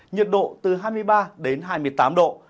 nhiệt độ từ hai mươi ba đến hai mươi tám độ